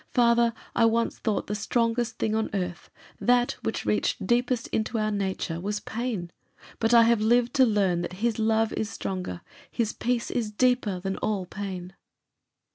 Father, I once thought the strongest thing on earth that which reached deepest into our nature was pain. But I have lived to learn that his love is stronger, his peace is deeper, than all pain."